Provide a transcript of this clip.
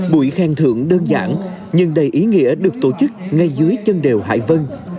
buổi khen thưởng đơn giản nhưng đầy ý nghĩa được tổ chức ngay dưới chân đèo hải vân